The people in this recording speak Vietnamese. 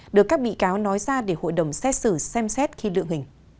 được các bị cáo nói ra để hội đồng xét xử xem xét khi đựng hình